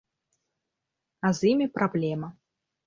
А з імі праблема.